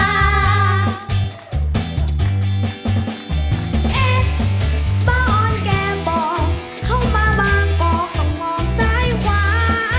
เอ๊ะบ้าอ้อนแกบอกเข้ามาบางกอกต้องมองซ้ายขวา